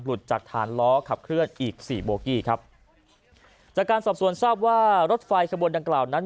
จากฐานล้อขับเคลื่อนอีกสี่โบกี้ครับจากการสอบสวนทราบว่ารถไฟขบวนดังกล่าวนั้น